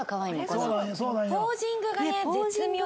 ポージングがね絶妙。